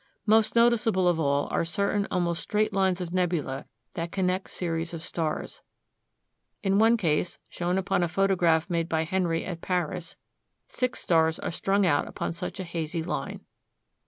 Most noticeable of all are certain almost straight lines of nebula that connect series of stars. In one case, shown upon a photograph made by Henry at Paris, six stars are strung out upon such a hazy line.